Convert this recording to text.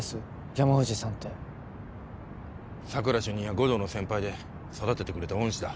山藤さんって佐久良主任や護道の先輩で育ててくれた恩師だ